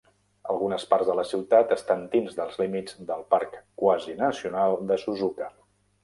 Algunes parts de la ciutat estan dins dels límits del parc quasinacional de Suzuka.